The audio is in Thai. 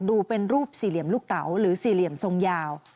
ดูเป็นรูปสี่เหลี่ยมลูกเต๋าหรือสี่เหลี่ยมทรงยาว